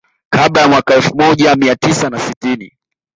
Kabla ya mwaka elfu moja mia tisa na sitini